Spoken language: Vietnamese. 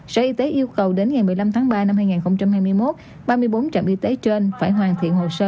sở y tế yêu cầu đến ngày một mươi năm tháng ba năm hai nghìn hai mươi một ba mươi bốn trạm y tế trên phải hoàn thiện hồ sơ